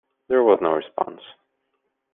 There was no response.